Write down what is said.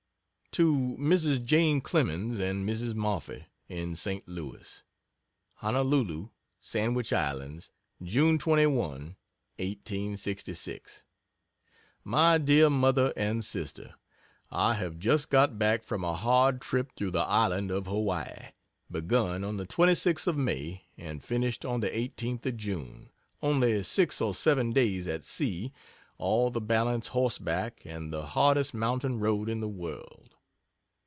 To Mrs. Jane Clemens and Mrs. Moffett, in St. Louis: HONOLULU, SANDWICH ISLANDS, June 21,1866. MY DEAR MOTHER AND SISTER, I have just got back from a hard trip through the Island of Hawaii, begun on the 26th of May and finished on the 18th of June only six or seven days at sea all the balance horse back, and the hardest mountain road in the world.